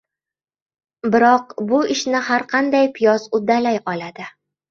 Biroq bu ishni har qanday piyoz uddalay oladi.